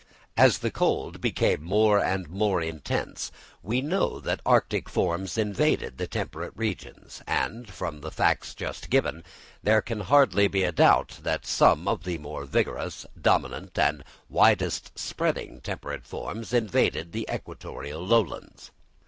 As the cold became more and more intense, we know that Arctic forms invaded the temperate regions; and from the facts just given, there can hardly be a doubt that some of the more vigorous, dominant and widest spreading temperate forms invaded the equatorial lowlands.